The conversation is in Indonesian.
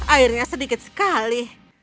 airnya sedikit sekali